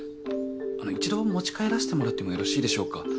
あの一度持ち帰らせてもらってもよろしいでしょうか？